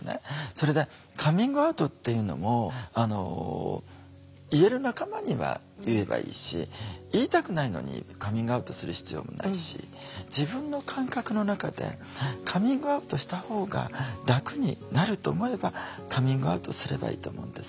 それでカミングアウトっていうのも言える仲間には言えばいいし言いたくないのにカミングアウトする必要もないし自分の感覚の中でカミングアウトしたほうが楽になると思えばカミングアウトすればいいと思うんですよ。